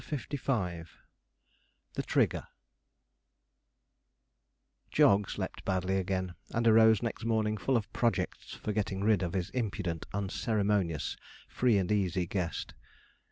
CHAPTER LV THE TRIGGER Jog slept badly again, and arose next morning full of projects for getting rid of his impudent, unceremonious, free and easy guest.